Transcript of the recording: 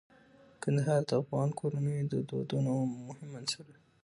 کندهار د افغان کورنیو د دودونو مهم عنصر دی.